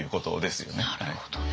なるほどね。